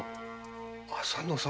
浅野様？